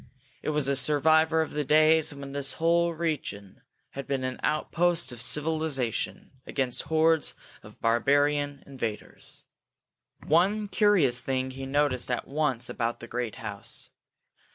It was a survivor of the days when this whole region had been an outpost of civilization against hordes of barbarian invaders. One curious thing he noticed at once about the great house.